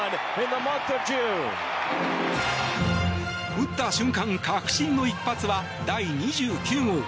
打った瞬間、確信の一発は第２９号。